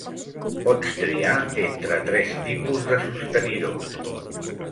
Pots triar entre tres tipus de sostenidors.